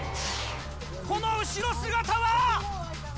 この後ろ姿は！